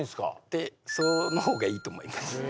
てその方がいいと思います